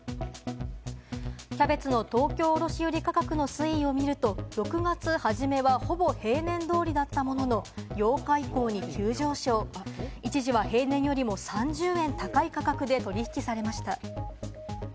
キャベツの東京の卸売価格の推移を見ると、６月初めはほぼ平年通りだったものの、８日以降に急上昇、一時は平年よりも３０円高い価格で取引されました。